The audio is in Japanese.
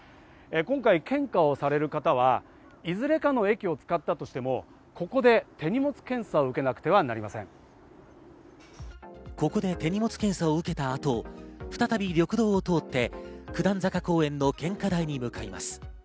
今回、献花をされる方はいずれかの駅を使ったとしても、ここで手荷物検査を受けなくてはここで手荷物検査を受けた後、再び緑道を通って九段坂公園の献花台に向かいます。